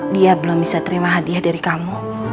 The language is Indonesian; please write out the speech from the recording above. dia belum bisa terima hadiah dari kamu